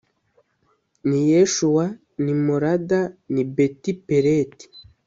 n i Yeshuwa n i Molada n i Betipeleti